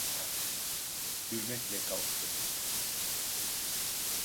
Hürmetle kalktı.